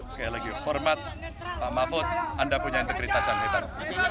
sekali lagi hormat pak mahfud anda punya integritas yang hebat